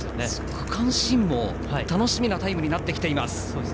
区間新も楽しみなタイムになってきています。